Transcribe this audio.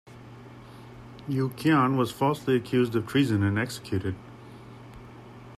Yu Qian was falsely accused of treason and executed.